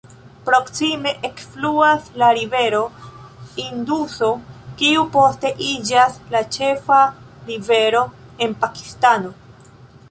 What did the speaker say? Proksime ekfluas la rivero Induso kiu poste iĝas la ĉefa rivero en Pakistano.